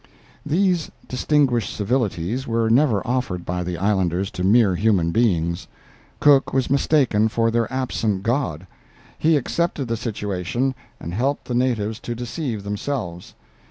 These distinguished civilities were never offered by the islanders to mere human beings. Cook was mistaken for their absent god; he accepted the situation and helped the natives to deceive themselves.